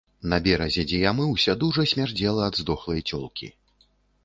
На беразе, дзе я мыўся, дужа смярдзела ад здохлай цёлкі.